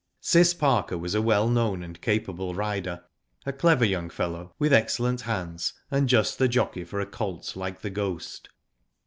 Cis Parker was a well known and capable rider, a clever young fellow, with excellent h^nds, and just the jockey for a colt like The Ghost.